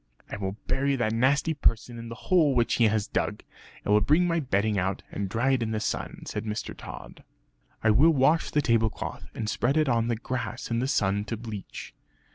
"I will bury that nasty person in the hole which he has dug. I will bring my bedding out, and dry it in the sun," said Mr. Tod. "I will wash the tablecloth and spread it on the grass in the sun to bleach.